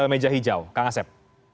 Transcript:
meja hijau kang asep